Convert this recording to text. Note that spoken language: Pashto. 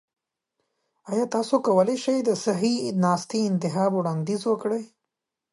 ایا تاسو کولی شئ د صحي ناستي انتخاب وړاندیز وکړئ؟